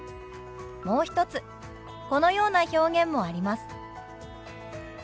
もう一つこのような表現もあります。